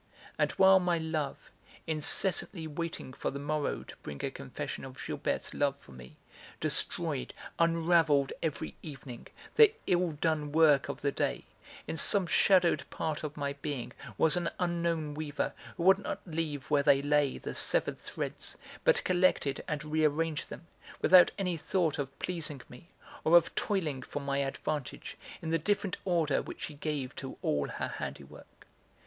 And while my love, incessantly waiting for the morrow to bring a confession of Gilberte's love for me, destroyed, unravelled every evening, the ill done work of the day, in some shadowed part of my being was an unknown weaver who would not leave where they lay the severed threads, but collected and rearranged them, without any thought of pleasing me, or of toiling for my advantage, in the different order which she gave to all her handiwork.